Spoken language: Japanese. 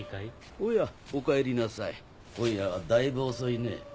おやおかえりなさい今夜はだいぶ遅いね。